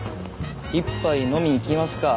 一杯飲み行きますか。